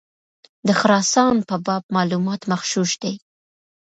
د خراسان په باب معلومات مغشوش دي.